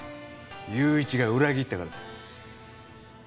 友一が裏切ったからだ。